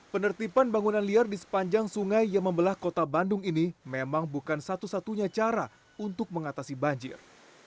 penertiban bangunan liar di sepanjang sungai yang membelah kota bandung ini memang bukan satu satunya cara untuk mengatasi banjir